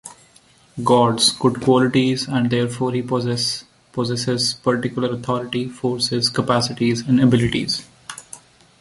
God's, good qualities, and therefore he possesses particular authority, forces, capacities and abilities.